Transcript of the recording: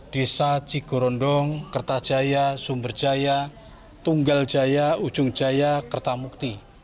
desa cikgorondong kertajaya sumberjaya tunggaljaya ujungjaya kertamukti